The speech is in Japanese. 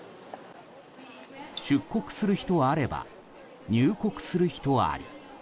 出国する人あれば入国する人あり。